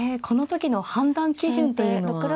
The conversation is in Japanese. この時の判断基準というのは。